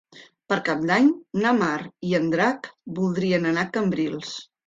Per Cap d'Any na Mar i en Drac voldrien anar a Cambrils.